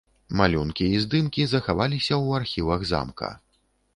Малюнкі і здымкі захаваліся ў архівах замка.